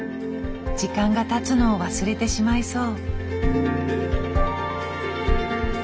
時間がたつのを忘れてしまいそう。